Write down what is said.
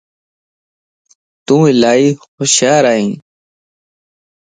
تون الائي هوشيار ائين